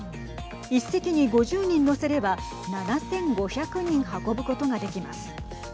１隻に５０人乗せれば７５００人運ぶことができます。